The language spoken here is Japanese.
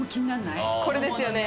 これですよね。